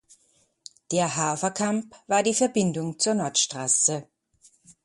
Der Haferkamp war die Verbindung zur Nordstraße.